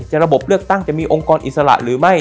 ระบบเลือกตั้งจะมีองค์กรอิสระหรือไม่